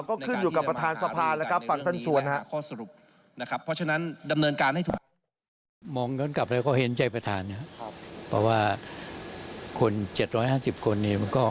ก็ขึ้นอยู่กับประธานสะพานนะครับฝั่งท่านชวน